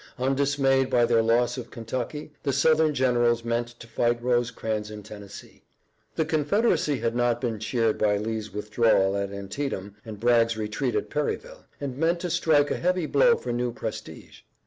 Undismayed by their loss of Kentucky, the Southern generals meant to fight Rosecrans in Tennessee. The Confederacy had not been cheered by Lee's withdrawal at Antietam and Bragg's retreat at Perryville, and meant to strike a heavy blow for new prestige.